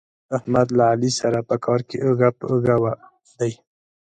احمد له علي سره په کار کې اوږه په اوږه دی.